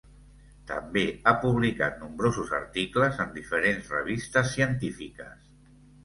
També ha publicat nombrosos articles en diferents revistes científiques.